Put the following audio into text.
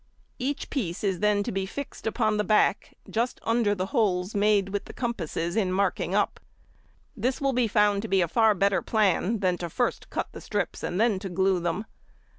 Each piece is then to be fixed upon the back just under the holes made with the compasses in marking up. This will be found to be a far better plan than to first cut the strips and then to glue them.